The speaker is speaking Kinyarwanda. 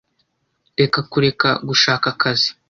Reka kureka gushaka akazi.